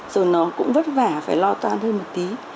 rồi nó cũng vất vả phải lo toan hơn một tí